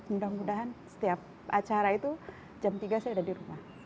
mudah mudahan setiap acara itu jam tiga saya ada di rumah